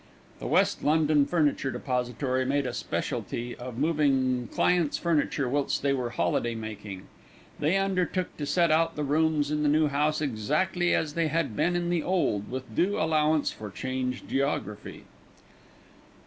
The West London Furniture Depository made a specialty of moving clients' furniture whilst they were holiday making. They undertook to set out the rooms in the new house exactly as they had been in the old, with due allowance for a changed geography.